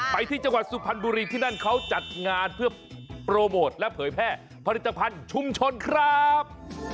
ไปที่จังหวัดสุพรรณบุรีที่นั่นเขาจัดงานเพื่อโปรโมทและเผยแพร่ผลิตภัณฑ์ชุมชนครับ